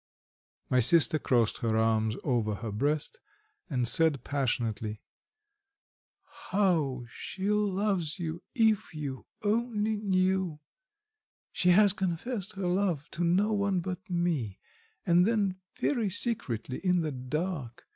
My sister crossed her arms over her breast, and said passionately: "How she loves you, if only you knew! She has confessed her love to no one but me, and then very secretly in the dark.